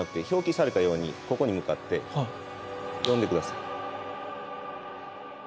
表記されたようにここに向かって呼んで下さい。